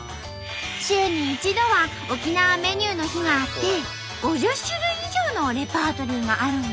週に１度は沖縄メニューの日があって５０種類以上のレパートリーがあるんと。